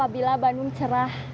bila bandung cerah